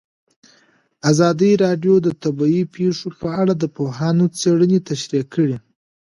ازادي راډیو د طبیعي پېښې په اړه د پوهانو څېړنې تشریح کړې.